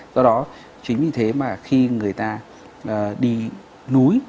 do đó chính vì thế mà khi người ta đi núi